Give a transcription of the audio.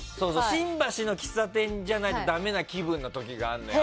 新橋の喫茶店じゃないとだめな気分の時があるのよ。